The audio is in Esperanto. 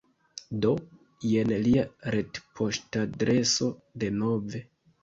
Do, jen lia retpoŝtadreso denove